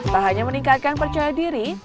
tak hanya meningkatkan percaya diri